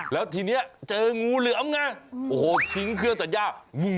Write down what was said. แล้วทีนี้เจองูเหลือมไงโอ้โหทิ้งเครื่องตัดย่า